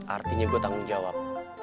artinya gue tanggung jawab